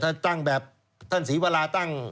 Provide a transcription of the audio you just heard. ถ้าตั้งแบบท่านศรีวราตั้ง